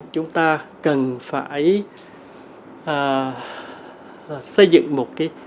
chúng ta cần phải xây dựng một cái